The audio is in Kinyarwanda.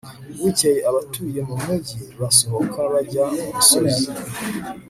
bukeye, abatuye mu mugi basohoka bajya mu misozi